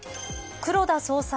黒田総裁